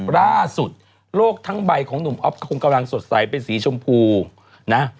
ล่าสุดโลกทั้งใบของหนุ่มอ๊อฟก็คงกำลังสดใสเป็นสีชมพูนะ